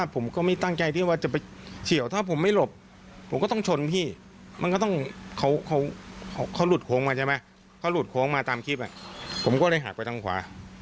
ผมก็เลยหาดไปทางขวา